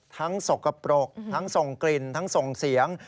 สกปรกทั้งส่งกลิ่นทั้งส่งเสียง